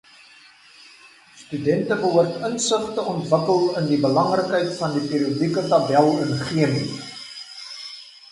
Studente behoort insig te ontwikkel in die belangrikheid van die periodieke tabel in Chemie.